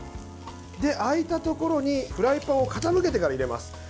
空いたところにフライパンを傾けてから入れます。